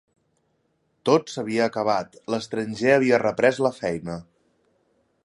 Tot s'havia acabat; l'estranger havia reprès la feina.